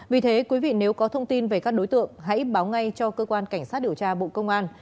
vì thế quý vị nếu có thông tin về các đối tượng hãy báo ngay cho cơ quan cảnh sát điều tra bộ công an